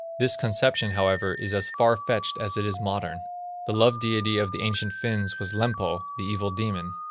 This conception, however, is as farfetched as it is modern. The Love deity of the ancient Finns was Lempo, the evil demon.